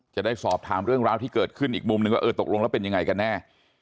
จะได้สอบถามเรื่องราวที่เกิดขึ้นอีกมุมนึงว่าเออตกลงแล้วเป็นยังไงกันแน่